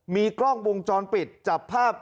มีกล้องวงจรปิดจับภาพ